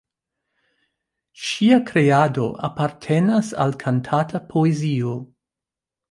Ŝia kreado apartenas al kantata poezio.